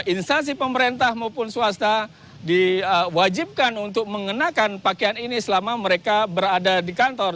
instansi pemerintah maupun swasta diwajibkan untuk mengenakan pakaian ini selama mereka berada di kantor